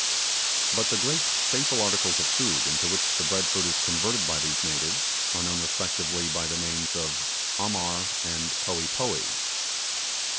But the great staple articles of food into which the bread fruit is converted by these natives are known respectively by the names of Amar and Poee Poee.